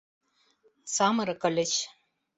Самырык ыльыч.